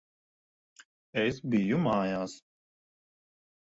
Es biju mājās.